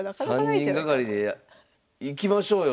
３人がかりでいきましょうよ